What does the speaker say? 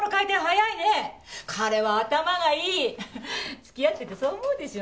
付き合っててそう思うでしょ？